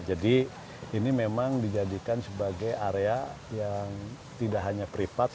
jadi ini memang dijadikan sebagai area yang tidak hanya private